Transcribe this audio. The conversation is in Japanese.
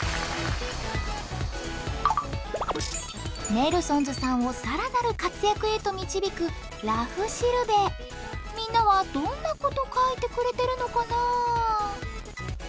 ネルソンズさんをさらなる活躍へと導く「らふしるべ」。みんなはどんなこと書いてくれてるのかなぁ？